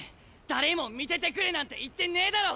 誰も見ててくれなんて言ってねえだろ！